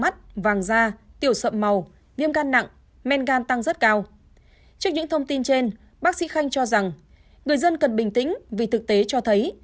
trước những thông tin trên bác sĩ khanh cho rằng người dân cần bình tĩnh vì thực tế cho thấy